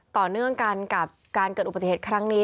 ต่อเนื่องกันกับการเกิดอุบัติเหตุครั้งนี้